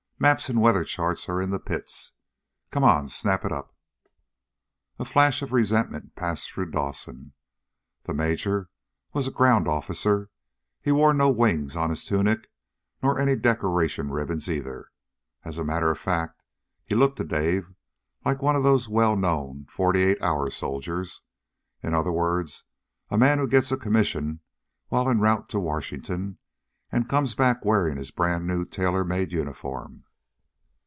Maps and weather charts are in the pits. Come on; snap it up!" A flash of resentment passed through Dawson. The major was a ground officer. He wore no wings on his tunic, nor any decoration ribbons, either. As a matter of fact, he looked to Dave like one of those well known forty eight hour soldiers. In other words, a man who gets a commission while en route to Washington, and comes back wearing his brand new tailor made uniform.